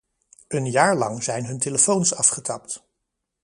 Een jaar lang zijn hun telefoons afgetapt.